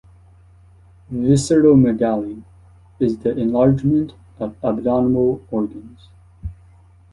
"Visceromegaly" is the enlargement of abdominal organs.